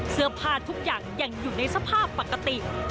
ทุกอย่างยังอยู่ในสภาพปกติ